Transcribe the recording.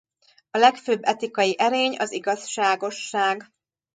A legfőbb etikai erény az igazságosság.